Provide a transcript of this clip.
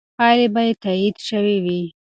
پایلې به تایید شوې وي.